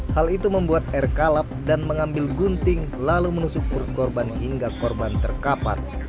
hal itu membuat r kalap dan mengambil gunting lalu menusuk perut korban hingga korban terkapat